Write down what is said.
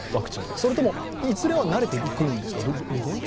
それともいずれは慣れていくんですか？